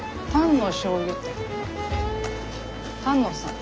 丹野さん。